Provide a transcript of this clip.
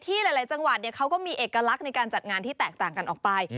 หลายจังหวัดเขาก็มีเอกลักษณ์ในการจัดงานที่แตกต่างกันออกไป